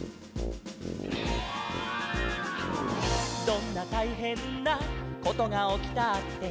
「どんなたいへんなことがおきたって」